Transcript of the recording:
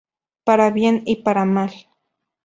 Para bien y para mal".